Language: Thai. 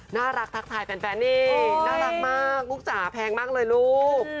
น่ารักทักทายแฟนนี่น่ารักมากลูกจ๋าแพงมากเลยลูก